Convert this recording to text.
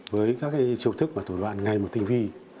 với các chiều thức và tổn đoạn ngay một tinh vi